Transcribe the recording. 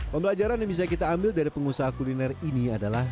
pembelajaran yang bisa kita ambil dari pengusaha kuliner ini adalah